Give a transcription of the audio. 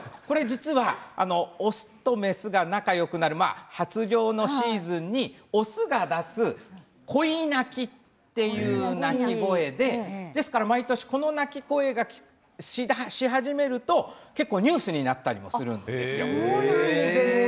実は雄と雌が仲よくなる発情のシーズンにオスが出す恋鳴きという鳴き声でですから毎年この鳴き声がし始めると結構ニュースになったりするんですよ。